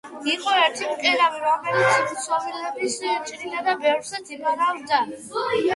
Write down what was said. იყო ერთი მკერავი რომელიც ქსოვილებს ჭრიდა და ბევრსაც იპარავდა.